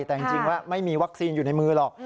แต่จริงว่าไม่มีวัคซีนอยู่ในมือหรอก